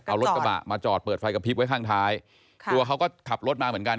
เอารถกระบะมาจอดเปิดไฟกระพริบไว้ข้างท้ายค่ะตัวเขาก็ขับรถมาเหมือนกัน